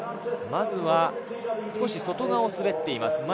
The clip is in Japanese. まずは少し外側を滑っています。